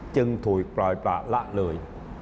จึงถุยปล่อยปล่าละเลย